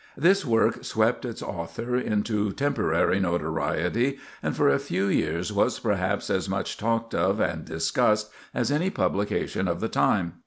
This work swept its author into temporary notoriety, and for a few years was perhaps as much talked of and discussed as any publication of the time.